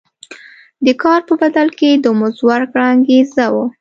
د کار په بدل کې د مزد ورکړه انګېزه وه.